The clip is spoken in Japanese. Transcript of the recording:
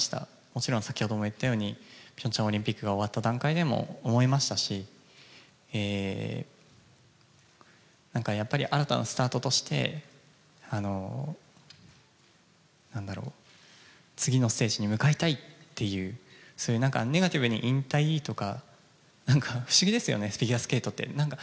もちろん、先ほども言ったように、ピョンチャンオリンピックが終わった段階でも思いましたし、なんかやっぱり新たなスタートとして、なんだろう、次のステージに向かいたいっていう、そういう、なんかネガティブに引退とか、なんか不思議ですよね、フィギュアスケートって。